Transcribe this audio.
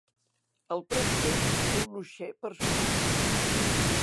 El president té un uixer personal.